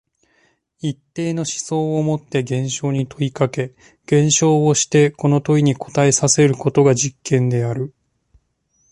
一定の思想をもって現象に問いかけ、現象をしてこの問いに答えさせることが実験である。